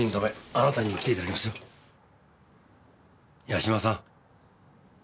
八島さん！